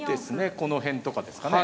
この辺とかですかね。